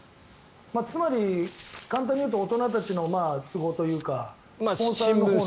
つまり簡単に言うと大人たちの都合というかスポンサーの都合で。